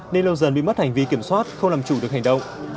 nên lâu dần bị mất hành vi kiểm soát không làm chủ được hành động